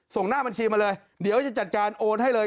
หน้าบัญชีมาเลยเดี๋ยวจะจัดการโอนให้เลย